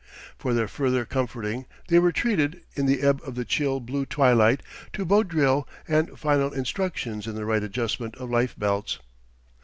For their further comforting they were treated, in the ebb of the chill blue twilight, to boat drill and final instructions in the right adjustment of life belts.